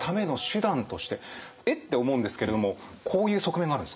「えっ？」て思うんですけれどもこういう側面があるんですか？